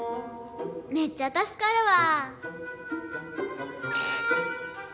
めっちゃたすかるわ。